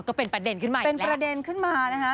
ก็เป็นประเด็นขึ้นมาเป็นประเด็นขึ้นมานะคะ